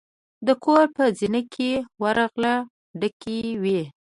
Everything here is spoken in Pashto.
د کور په زینه کې ورغله ډکې وې.